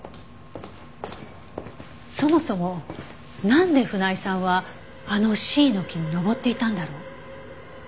そもそもなんで船井さんはあのシイの木に登っていたんだろう？